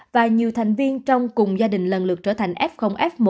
và nhiều thành viên trong cùng gia đình lần lượt trở thành f f một